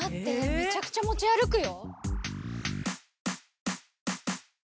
めちゃくちゃ持ち歩くよ。